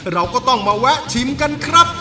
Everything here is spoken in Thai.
เราก็ต้องมาแวะชิมกันครับ